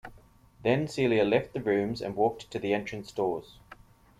Then Celia left the rooms and walked to the entrance-doors.